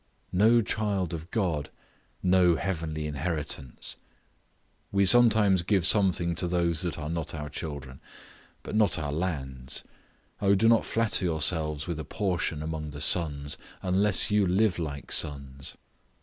No child of God, no heavenly inheritance. We sometimes give something to those that are not our children, but not our lands. O do not flatter yourselves with a portion among the sons, unless you live like sons.